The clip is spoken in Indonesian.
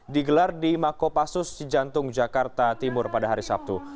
digelar di mak kopassus jantung jakarta timur pada hari sabtu